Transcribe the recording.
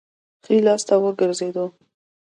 ښي لاس ته وګرځېدو.